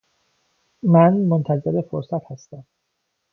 من منتظر فرصت هستم